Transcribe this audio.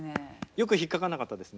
よく引っ掛かんなかったですね。